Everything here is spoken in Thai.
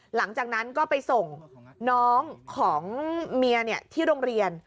หลังจากนั้นก็ไปส่งน้องของเมียที่โรงเรียน